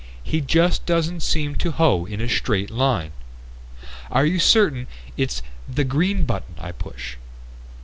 He just doesn't seem to hoe in a straight line. Are you certain it's the green button I push?"